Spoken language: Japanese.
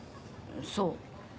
そう。